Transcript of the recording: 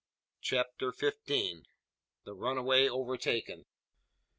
CHAPTER FIFTEEN. THE RUNAWAY OVERTAKEN.